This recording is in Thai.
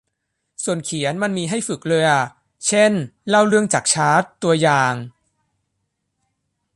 ส่วนเขียนมันมีให้ฝึกเลยอ่ะ เช่น เล่าเรื่องจากชาร์ต ตัวอย่าง